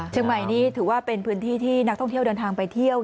เชียงใหม่นี่ถือว่าเป็นพื้นที่ที่นักท่องเที่ยวเดินทางไปเที่ยว